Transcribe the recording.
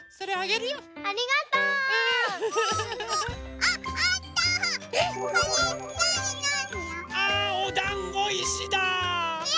あおだんごいしだ！え？